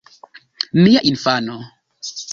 Mia infano!